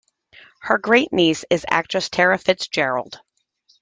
Her great-niece is actress Tara Fitzgerald.